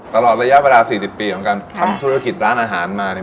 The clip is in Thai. ตลอดระยะเวลา๔๐ปีของการทำธุรกิจร้านอาหารมาเนี่ย